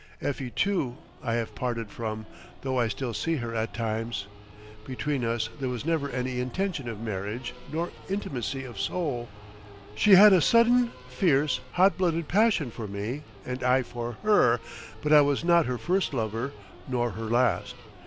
Effie, too, I have parted from, though I still see her at times. Between us there was never any intention of marriage nor intimacy of soul. She had a sudden, fierce, hot blooded passion for me and I for her, but I was not her first lover nor her last.